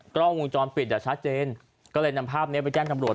กล้องวงจรปิดอ่ะชัดเจนก็เลยนำภาพนี้ไปแจ้งตำรวจ